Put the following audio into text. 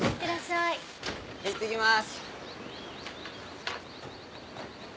「いってきます」